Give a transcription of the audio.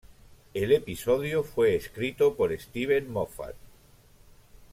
El episodio fue escrito por Steven Moffat.